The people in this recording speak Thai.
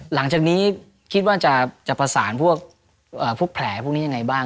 หลังจากนี้คิดว่าจะประสาทพวกพลแผลจากไหนบ้าง